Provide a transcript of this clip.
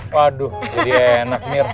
waduh jadi enak mir